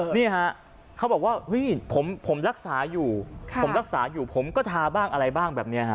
นี่ฮะเขาบอกว่าเฮ้ยผมรักษาอยู่ผมรักษาอยู่ผมก็ทาบ้างอะไรบ้างแบบนี้ฮะ